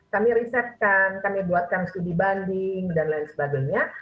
kami risetkan kami buatkan studi banding dan lain sebagainya